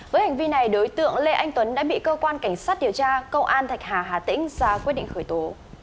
với hành vi này đối tượng lê anh tuấn đã bị cơ quan cảnh sát điều tra công an thạch hà hà tĩnh ra quyết định khởi tố